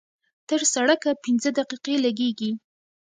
تر سړکه پينځه دقيقې لګېږي.